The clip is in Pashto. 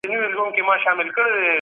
دولت وويل چي پلانونه سته.